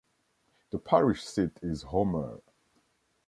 The parish seat is Homer.